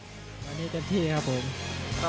พื้นลูกเก่าสภาพร่างกายเที่ยวนี้เป็นไงบ้าง